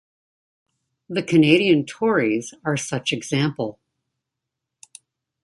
The Canadian Tories are such example.